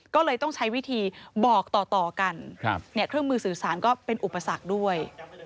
ก็เลยต้องใช้วิธีบอกต่อกันเครื่องมือสื่อสารก็เป็นอุปสรรคด้วย